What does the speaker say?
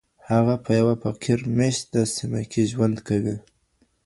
هغه په يوه فقير مېشته سيمه کي ژوند کوي.